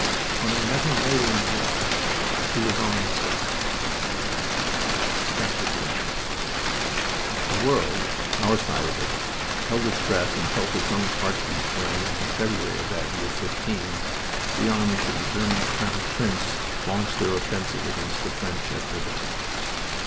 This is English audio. when I met him later in the war he was on the staff. XII The world our side of it held its breath and felt its own heart beat when, in February of that year '15, the armies of the German Crown Prince launched their offensive against the French at Verdun.